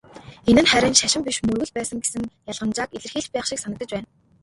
Энэ нь харин "шашин" биш "мөргөл" байсан гэсэн ялгамжааг илэрхийлж байх шиг санагдаж байна.